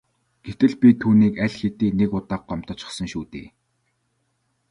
Гэтэл би түүнийг аль хэдийн нэг удаа гомдоочихсон шүү дээ.